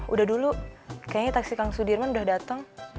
udah dulu kayaknya taksi kang sudirman udah datang